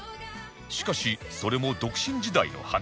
しかしそれも独身時代の話